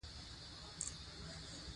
زمرد د افغانستان د انرژۍ سکتور برخه ده.